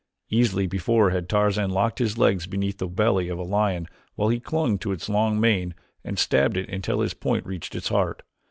Easily before had Tarzan locked his legs beneath the belly of a lion while he clung to its long mane and stabbed it until his point reached its heart.